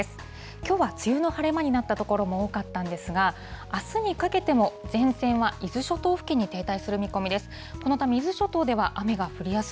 きょうは梅雨の晴れ間になった所も多かったんですが、あすにかけても、前線は伊豆諸島付近に停滞する見込みです。